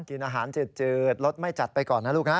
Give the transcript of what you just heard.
กินอาหารจืดรสไม่จัดไปก่อนนะลูกนะ